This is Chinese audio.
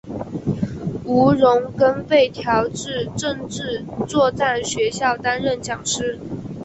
吴荣根被调至政治作战学校担任讲师。